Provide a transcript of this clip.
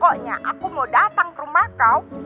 pokoknya aku mau datang ke rumah kau